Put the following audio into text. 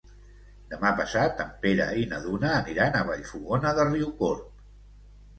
Demà passat en Pere i na Duna aniran a Vallfogona de Riucorb.